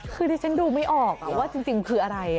คือดิฉันดูไม่ออกว่าจริงคืออะไร